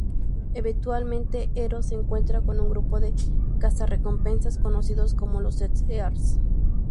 Eventualmente, Hero se encuentra con un grupo de cazarrecompensas conocidos como los Steel Hearts.